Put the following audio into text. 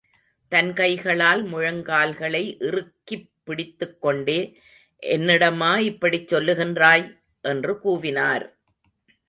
தன் கைகளால் முழங்கால்களை இறுக்கிப் பிடித்துக் கொண்டே, என்னிடமா இப்படிச் சொல்லுகின்றாய்? என்று கூவினார்.